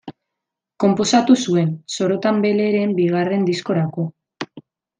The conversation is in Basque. Konposatu zuen, Sorotan Beleren bigarren diskorako.